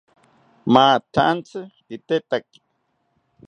Mathantzi kitetaki